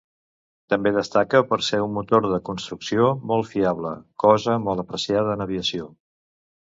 També destaca per ser un motor de construcció molt fiable, cosa molt apreciada en aviació.